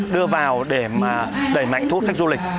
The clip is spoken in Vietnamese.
đưa vào để mà đẩy mạnh thu hút khách du lịch